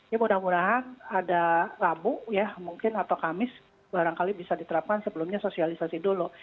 ya mudah mudahan ada rabu ya mungkin atau kamis barangkali bisa diterapkan sebelumnya sosialisasi dulu